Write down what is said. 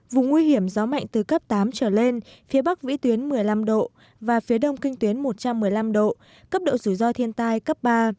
vùng nguy hiểm gió mạnh từ cấp tám trở lên phía bắc vĩ tuyến một mươi năm độ và phía đông kinh tuyến một trăm một mươi năm độ cấp độ rủi ro thiên tai cấp ba